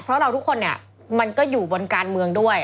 เพราะเราทุกคนเนี่ยมันก็อยู่บนการเมืองด้วย